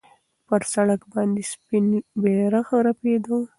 پر سړک باندې سپین بیرغ رپېده.